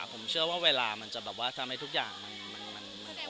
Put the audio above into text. ผมเชื่อว่าเวลามันจะแบบว่าทำให้ทุกอย่างมัน